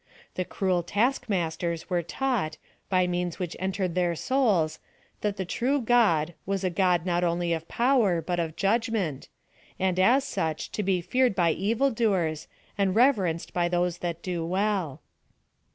The cruel task masters were taught, by means which entered their sou^s, that the true God, was a God not only of power but of judij PLAN OP SALVATION. 71 ment, ana as such, to be feared by evil Q».ors, and reverenced by those that do well.